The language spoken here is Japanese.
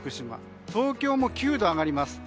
東京も９度上がります。